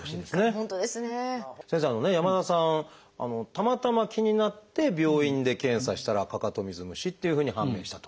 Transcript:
たまたま気になって病院で検査したらかかと水虫っていうふうに判明したと。